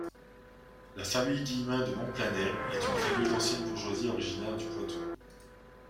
La famille Guillemin de Monplanet est une famille d'ancienne bourgeoisie originaire du Poitou.